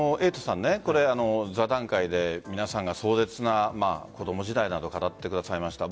座談会で皆さんが壮絶な子供時代などを語ってくださいました。